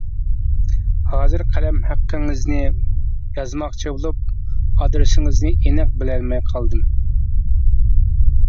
ھازىر قەلەم ھەققىڭىزنى يازماقچى بولۇپ، ئادرېسىڭىزنى ئېنىق بىلەلمەي قالدىم.